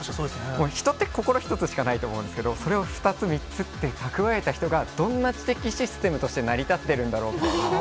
人って心一つしかないと思うんですけど、それを２つ、３つってたくわえた人がどんな知的システムとして成り立っているんだろうって。